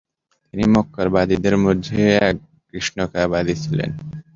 তিনি মক্কার বাদীদের মাঝে এক কৃষ্ণকায়া বাদী ছিলেন।